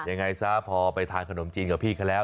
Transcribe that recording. ยังไงซะพอไปทานขนมจีนกับพี่เขาแล้ว